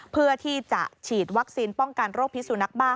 เพื่อที่จะฉีดวัคซีนป้องกันโรคพิสุนักบ้า